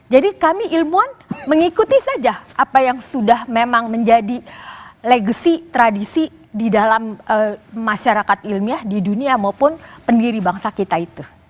jadi kami ilmuwan mengikuti saja apa yang sudah memang menjadi legacy tradisi di dalam masyarakat ilmiah di dunia maupun pendiri bangsa kita itu